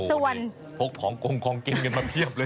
โอ้โฮเห็นพกผ้องกงเกินมาเยี่ยมเลย